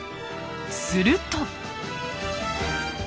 すると。